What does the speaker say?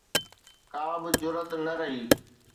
ڪا به جرئت نه رهي